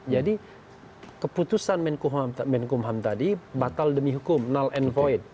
jadi keputusan menkumham tadi batal demi hukum null and void